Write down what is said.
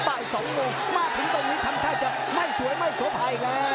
บ่าย๒โมงมาถึงตรงนี้ทำท่าจะไม่สวยไม่โสภาอีกแล้ว